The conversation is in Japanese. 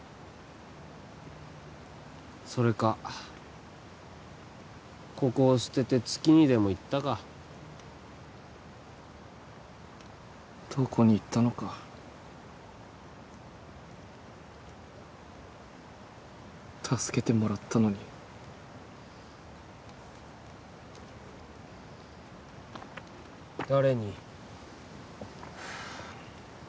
それかここを捨てて月にでも行ったかどこに行ったのか助けてもらったのに誰に？